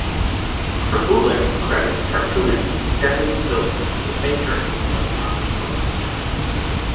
Krahulik credits cartoonist Stephen Silver as a major influence on his drawing style.